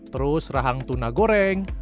terus rahang tuna goreng